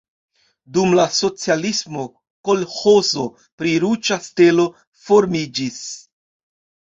Dum la socialismo kolĥozo pri Ruĝa Stelo formiĝis.